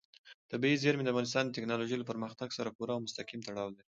طبیعي زیرمې د افغانستان د تکنالوژۍ له پرمختګ سره پوره او مستقیم تړاو لري.